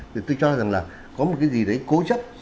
thì tôi cho rằng là có một cái gì đấy cố chấp